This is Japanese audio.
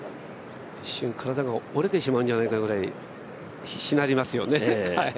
一瞬体が折れてしまうんじゃないかというくらい、しなりますよね。